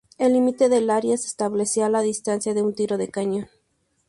El límite del área se establecía a la distancia de un tiro de cañón.